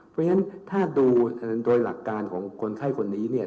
เพราะฉะนั้นถ้าดูโดยหลักการของคนไข้คนนี้เนี่ย